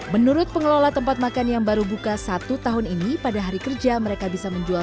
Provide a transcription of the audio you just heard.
menurut pengelola tempat makan yang baru buka satu tahun ini pada hari kerja mereka bisa menjual